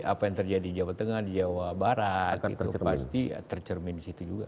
apa yang terjadi di jawa tengah di jawa barat itu pasti tercermin di situ juga